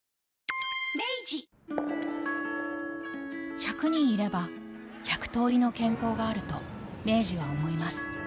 １００人いれば１００通りの健康があると明治は思います